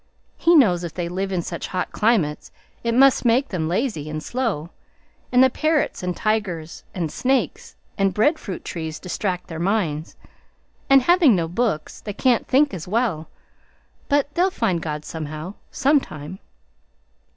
He knows if they live in such hot climates it must make them lazy and slow; and the parrots and tigers and snakes and bread fruit trees distract their minds; and having no books, they can't think as well; but they'll find God somehow, some time."